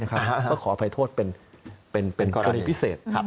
ก็ขออภัยโทษเป็นกรณีพิเศษ